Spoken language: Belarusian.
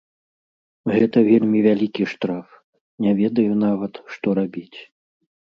Гэта вельмі вялікі штраф, не ведаю нават, што рабіць.